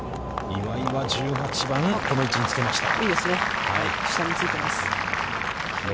岩井は１８番、この位置につけました。